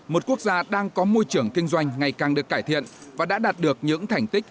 một quốc gia đang có môi trường kinh doanh ngày càng được cải thiện và đã đạt được những thành tích